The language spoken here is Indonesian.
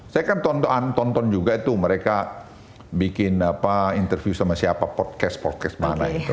saya kan tonton juga itu mereka bikin interview sama siapa podcast podcast mana itu